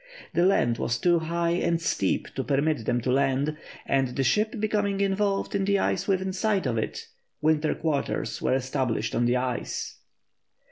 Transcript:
The land was too high and steep to permit them to land, and the ship, becoming involved in the ice within sight of it, winter quarters were established on the ice.